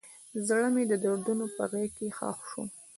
زړه مې د دردونو په غیږ کې ښخ شو.